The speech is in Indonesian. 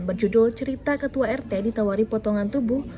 berjudul cerita ketua rt ditawari potongan tubuh